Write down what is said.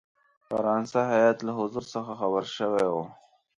فرانسه هیات له حضور څخه خبر شوی وو.